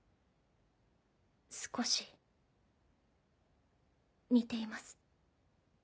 少し似ています。